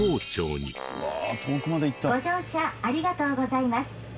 「ご乗車ありがとうございます」